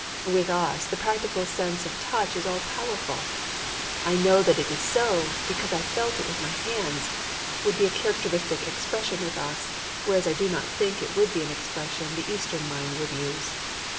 With us the practical sense of touch is all powerful. "I know that is so, because I felt it with my hands" would be a characteristic expression with us. Whereas I do not think it would be an expression the Eastern mind would use.